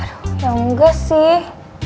aduh ya enggak sih